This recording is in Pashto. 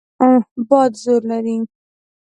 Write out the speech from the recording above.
باد زور لري.